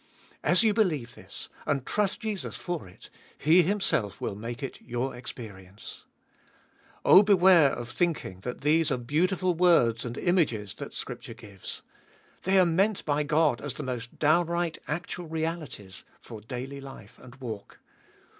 As you believe this, and trust Jesus for it, He Himself will make it your experience. Oh beware of thinking that these are beautiful words and images that 17 258 Cbe Dolfest of 21U Scripture gives ; they are meant by God as the most downright actual realities for daily life and walk.